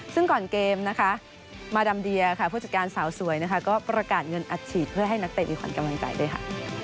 ซึ่งก่อนเกมนะคะมาดามเดียค่ะผู้จัดการสาวสวยนะคะก็ประกาศเงินอัดฉีดเพื่อให้นักเตะมีขวัญกำลังใจด้วยค่ะ